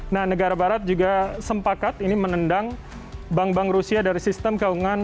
nah negara barat juga sepakat ini menendang bank bank rusia dari sistem keuangan